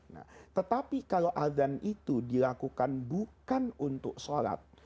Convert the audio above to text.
nah tetapi kalau adhan itu dilakukan bukan untuk sholat